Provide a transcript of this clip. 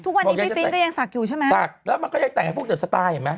นี่ก็ยังศักดิ์อยู่ใช่ไหมศักดิ์แล้วมันก็ยังแต่พวกเดียวสไตล์เห็นไหม